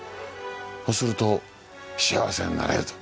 そうすると幸せになれると。